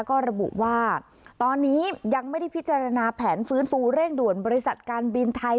ก็ระบุว่าตอนนี้ยังไม่ได้พิจารณาแผนฟื้นฟูเร่งด่วนบริษัทการบินไทย